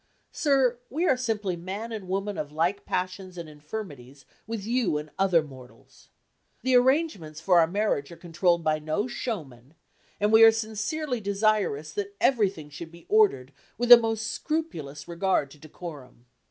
Sir, we are simply man and woman of like passions and infirmities with you and other mortals. The arrangements for our marriage are controlled by no "showman," and we are sincerely desirous that everything should be ordered with a most scrupulous regard to decorum.